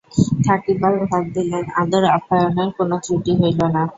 থাকিবার ঘর দিলেন, আদর-আপ্যায়নের কোন ত্রুটি হইল না।